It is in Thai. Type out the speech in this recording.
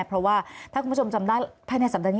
เพราะว่าถ้าคุณผู้ชมจำได้ภายในสัปดาห์นี้